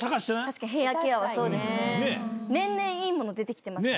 確かにヘアケアはそうですね年々いいもの出てきてますしね。